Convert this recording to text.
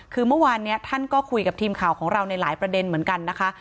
คือเมื่อวานนี้ท่านก็คุยกับทีมข่าวของเราในหลายประเด็นเหมือนกันนะคะ